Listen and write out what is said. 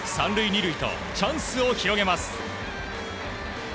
３塁２塁とチャンスを広げます。